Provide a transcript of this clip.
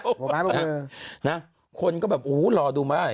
บุกไม้บุกมือคนก็แบบโอ้หูหรอดูมั้ย